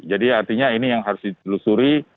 jadi artinya ini yang harus dilusuri